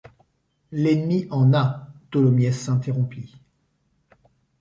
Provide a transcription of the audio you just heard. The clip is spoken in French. L’ennemi en a. » Tholomyès s’interrompit.